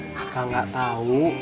nah kang gak tau